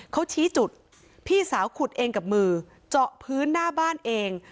เขาชี้จุดพี่สาวขุดเองกับมือเจาะพื้นหน้าบ้านเอง